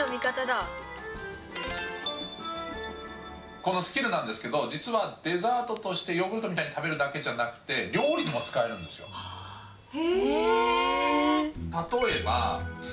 このスキルなんですけど、実はデザートとしてヨーグルトみたいに食べるだけじゃなくて、へぇー。